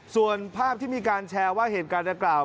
ส่วนภาพที่มีการแชร์ว่าเหตุการณ์ดังกล่าว